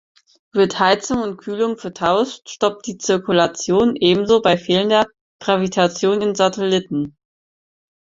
Wird Heizung und Kühlung vertauscht, stoppt die Zirkulation, ebenso bei fehlender Gravitation in Satelliten.